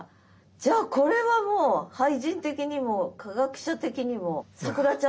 じゃあこれはもう俳人的にも科学者的にも咲楽ちゃん的にも。